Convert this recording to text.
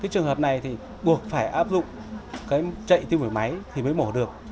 trường hợp này thì buộc phải áp dụng chạy tim phổi máy thì mới mổ được